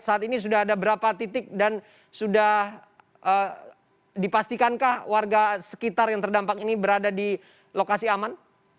saat ini sudah ada berapa titik dan sudah dipastikankah warga sekitar yang terdampak ini berada di lokasi aman